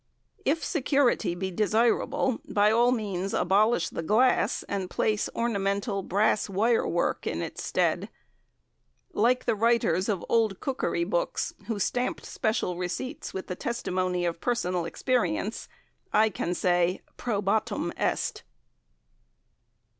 If security be desirable, by all means abolish the glass and place ornamental brass wire work in its stead. Like the writers of old Cookery Books who stamped special receipts with the testimony of personal experience, I can say "probatum est."